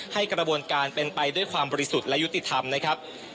กระบวนการเป็นไปด้วยความบริสุทธิ์และยุติธรรมนะครับ